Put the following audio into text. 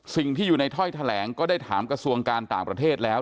สิ่งที่อยู่ในถ้อยแถลงก็ได้ถามกระทรวงการต่างประเทศแล้ว